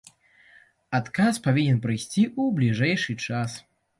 Адказ павінен прыйсці ў бліжэйшы час.